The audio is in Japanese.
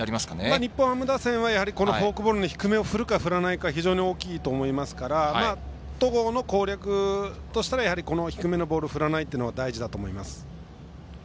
日本ハム打線はこのフォークボールの低めを振るか振らないかが非常に大きいと思いますから戸郷の攻略としたら、この低めのボールを振らないというのが大事だと思います。